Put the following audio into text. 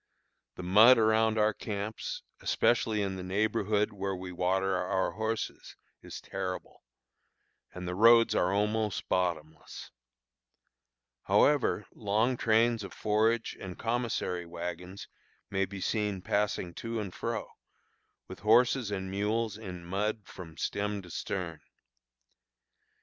The mud around our camps, especially in the neighborhood where we water our horses, is terrible, and the roads are almost bottomless. However, long trains of forage and commissary wagons may be seen passing to and fro, with horses and mules in mud from "stem to stern."